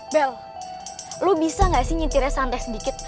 bel lu bisa gak sih nyitirnya santai sedikit